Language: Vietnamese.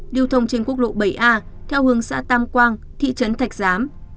điều thông trên quốc lộ bảy a theo hướng xã tam quang thị trấn thạch giám